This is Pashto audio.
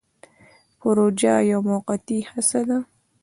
پروژه یوه موقتي هڅه ده